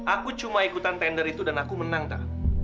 aku cuma ikutan tender itu dan aku menang tak